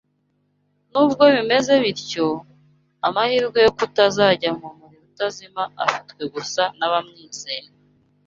Nubwo bimeze bityo, amahirwe yo kutazajya mu muriro utazima afitwe gusa n’abamwizera